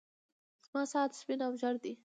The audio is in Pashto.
زما ساعت سپين او ژړ دی.